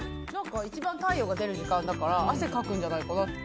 一番、太陽が出る時間だから汗かくんじゃないかなって。